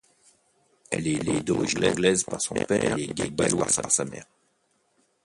Elle est d'origine anglaise par son père et galloise par sa mère.